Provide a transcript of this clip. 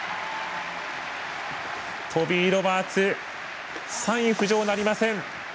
トビー・ロバーツ３位浮上なりません。